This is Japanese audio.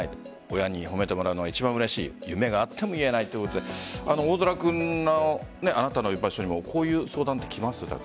親に褒めてもらえるのが一番嬉しい夢があっても言えないということであなたのいばしょにもこういう相談ってきますよね。